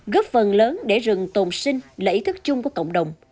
góp phần lớn để rừng tồn sinh là ý thức chung của cộng đồng